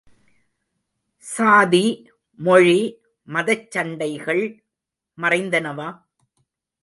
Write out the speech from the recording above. சாதி, மொழி, மதச்சண்டைகள் மறைந்தனவா?